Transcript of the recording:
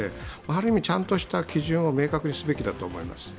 ちゃんとした基準をちゃんと明確にすべきだと思います。